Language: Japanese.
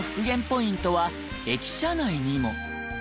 ポイントは駅舎内にも。